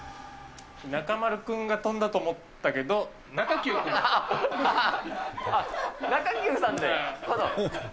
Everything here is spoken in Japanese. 中丸君が飛んだと思ったけど、中九さんで？